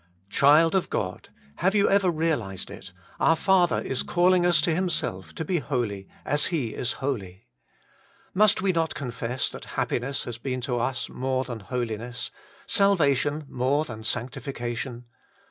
Child of God, have you ever realized it, our Father is calling us to Himself, to be holy as He is holy ? Must we not confess that happiness has been to us more than holiness, salvation than sanctification